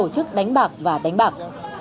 động tổ chức đánh bạc và đánh bạc